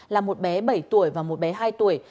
là một bé bảy tuổi và một bé hai tuổi